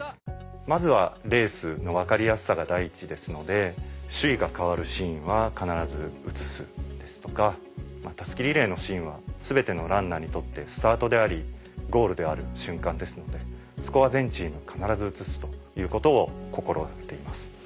まずはレースの分かりやすさが第一ですので首位が変わるシーンは必ず映すですとか襷リレーのシーンは全てのランナーにとってスタートでありゴールである瞬間ですのでそこは全チーム必ず映すということを心掛けています。